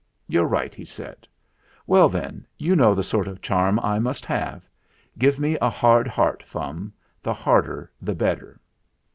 "You're right," he said. "Well, then, you know the sort of charm I must have. Give me a hard heart, Fum the harder the better."